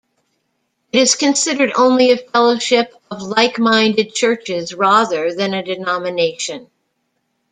It is considered only a fellowship of like-minded churches, rather than a denomination.